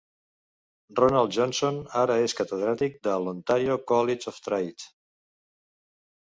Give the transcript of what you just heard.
Ronald Johnson ara és catedràtic de l'Ontario College of Trades.